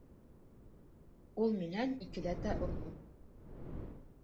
Ул минән икеләтә оло.